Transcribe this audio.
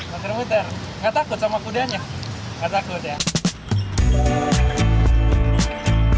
muter muter nggak takut sama kudanya nggak takut ya